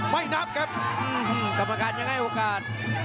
ไม่นับครับกรรมการยังให้โอกาส